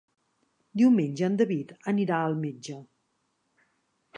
Diumenge en David anirà al metge.